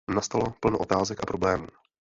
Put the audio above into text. Nastalo plno otázek a problémů.